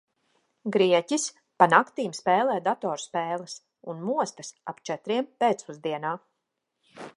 Grieķis pa naktīm spēlē datorspēles un mostas ap četriem pēcpusdienā.